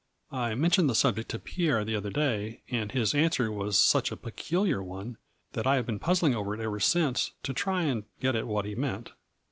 I mentioned the subject to Pierre the other day, and his answer was such a pe culiar one, that I have been puzzling over it ever since to try and get at what he meant.